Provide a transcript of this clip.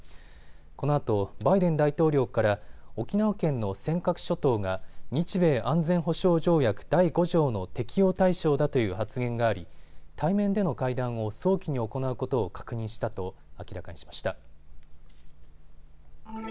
このあとバイデン大統領から沖縄県の尖閣諸島が日米安全保障条約第５条の適用対象だという発言があり対面での会談を早期に行うことを確認したと明らかにしました。